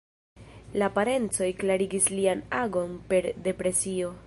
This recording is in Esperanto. La parencoj klarigis lian agon per depresio.